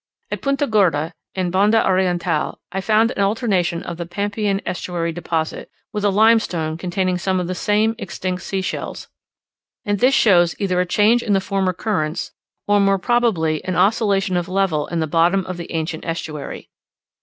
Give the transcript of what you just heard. At Punta Gorda, in Banda Oriental, I found an alternation of the Pampaean estuary deposit, with a limestone containing some of the same extinct sea shells; and this shows either a change in the former currents, or more probably an oscillation of level in the bottom of the ancient estuary.